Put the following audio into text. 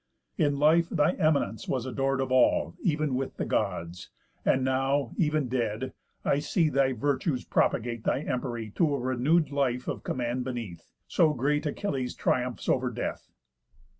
In life thy eminence was ador'd of all, Ev'n with the Gods; and now, ev'n dead, I see Thy virtues propagate thy empery To a renew'd life of command beneath; So great Achilles triumphs over death.